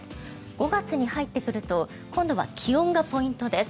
５月に入ってくると今度は気温がポイントです。